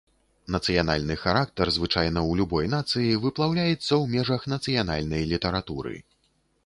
Нацыянальны характар звычайна ў любой нацыі выплаўляецца ў межах нацыянальнай літаратуры.